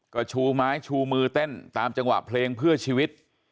ก็ชูไม้ชูมือเต้นตามจังหวะเพลงเพื่อชีวิต